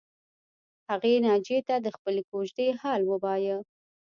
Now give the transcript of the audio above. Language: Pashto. هغې ناجیې ته د خپلې کوژدې حال ووایه